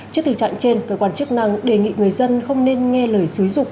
trước tình trạng trên cơ quan chức năng đề nghị người dân không nên nghe lời xúi dục